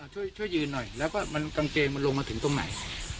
ช่วยยืนหน่อยแล้วก็มันกางเกงมันลงมาถึงตรงไหน